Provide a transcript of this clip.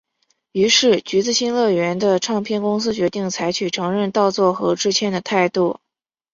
于是橘子新乐园和唱片公司决定采取承认盗作和致歉的态度。